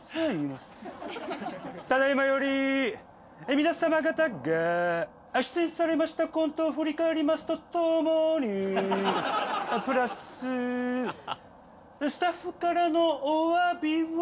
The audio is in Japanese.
ただいまより皆様方が出演されましたコントを振り返りますとともにプラススタッフからのおわびを。